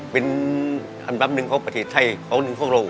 เป็นจำนำวิที่สุดทั้ง๒